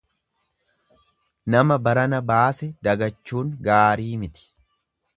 Nama barana baase dagachuun gaarii miti.